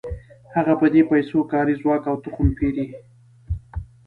هغه په دې پیسو کاري ځواک او تخم پېري